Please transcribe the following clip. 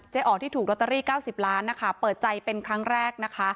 อ๋อที่ถูกลอตเตอรี่๙๐ล้านนะคะเปิดใจเป็นครั้งแรกนะคะ